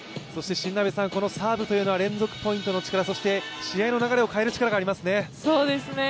このサーブは連続ポイントの力、そして試合の流れを変える力がありますね。